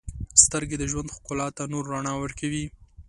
• سترګې د ژوند ښکلا ته نور رڼا ورکوي.